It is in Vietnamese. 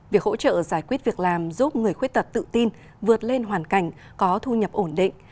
việc hỗ trợ giải quyết việc làm giúp người khuyết tật tự tin vượt lên hoàn cảnh có thu nhập ổn định